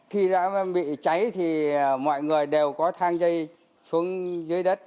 khi đã bị cháy thì mọi người đều có thang dây xuống dưới đất